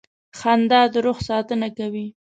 • خندا د روح ساتنه کوي.